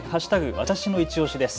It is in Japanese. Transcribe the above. わたしのいちオシです。